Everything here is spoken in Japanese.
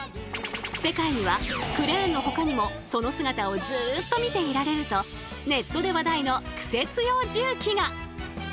世界にはクレーンのほかにもその姿をずっと見ていられるとネットで話題のクセ強重機が！